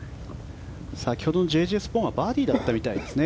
先ほどのＪ．Ｊ．スポーンはバーディーだったみたいですね。